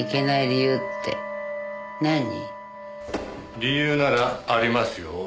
理由ならありますよ。